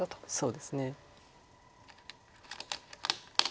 そうですね。